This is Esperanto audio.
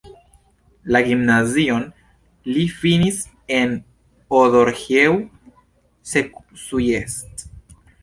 La gimnazion li finis en Odorheiu Secuiesc.